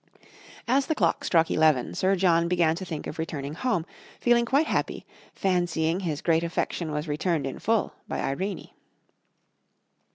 As the clock struck eleven Sir John began to think of returning home, feeling quite happy, fancying his great affection was returned in full by Irene.